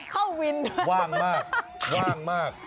เข้าวินด้วยว่างมาก